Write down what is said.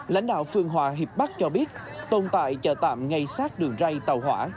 lãnh đạo phương hòa hiệp bắc cho biết tồn tại chợ tạm ngay sát đường rây tàu hỏa